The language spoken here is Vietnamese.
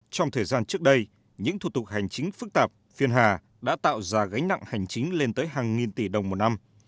trong thời gian trước đây những thủ tục hành chính phức tạp phiên hà đã tạo ra gánh nặng hành chính lên tới hàng nghìn tỷ đồng một năm